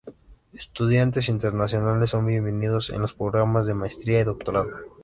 Estudiantes internacionales son bienvenidos en los programas de maestría y doctorado.